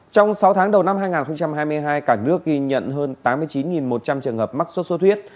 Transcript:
trong sáu tháng đầu năm hai nghìn hai mươi hai cả nước ghi nhận hơn tám mươi chín một trăm linh trường hợp mắc sốt xuất huyết